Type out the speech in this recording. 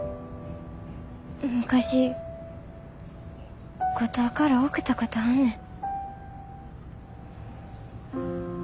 昔五島から送ったことあんねん。